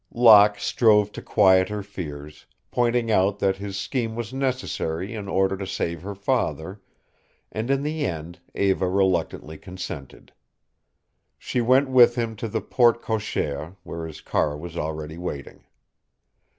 Locke strove to quiet her fears, pointing out that his scheme was necessary in order to save her father, and in the end Eva reluctantly consented. She went with him to the porte cochère where his car was already waiting.